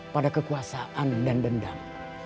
pada kekuasaan dan dendam